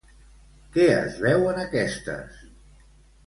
Què es veu en aquestes?